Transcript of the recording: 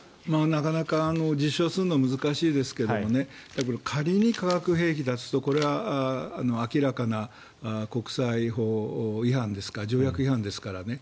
なかなか実証するのは難しいですけどもね仮に化学兵器だとするとこれは明らかな国際法違反ですから条約違反ですからね。